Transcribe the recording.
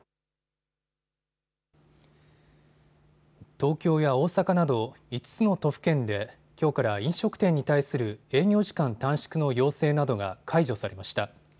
東京や大阪など５つの都府県できょうから飲食店に対する営業時間短縮の要請などが解除されました。